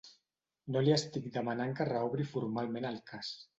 No li estic demanant que reobri formalment el cas.